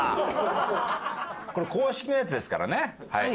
これ公式のやつですからね。